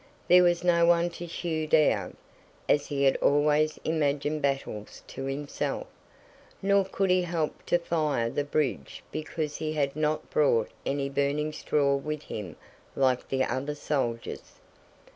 There was no one to hew down (as he had always imagined battles to himself), nor could he help to fire the bridge because he had not brought any burning straw with him like the other soldiers.